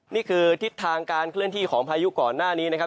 นี่คือทิศทางการเคลื่อนที่ของพายุก่อนหน้านี้นะครับ